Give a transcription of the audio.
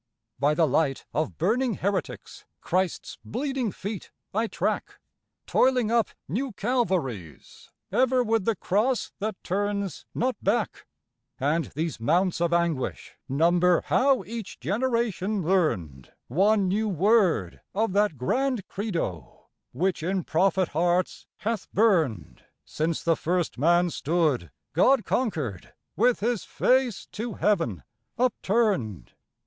By the light of burning heretics Christ's bleeding feet I track, Toiling up new Calvaries ever with the cross that turns not back, And these mounts of anguish number how each generation learned One new word of that grand Credo which in prophet hearts hath burned Since the first man stood God conquered with his face to heaven upturned.